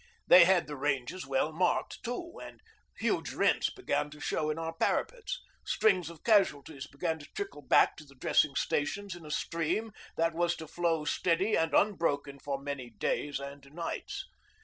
They had the ranges well marked, too, and huge rents began to show in our parapets, strings of casualties began to trickle back to the dressing stations in a stream that was to flow steady and unbroken for many days and nights.